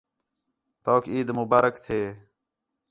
تؤک عید مبارک تھئے